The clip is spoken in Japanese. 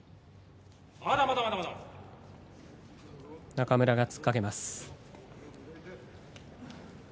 中村が突っかけます。